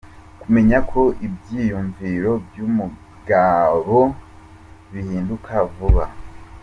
Kumenya ko ibyiyumviro by’umugabo bihinduka vuba.